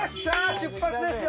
出発ですよ！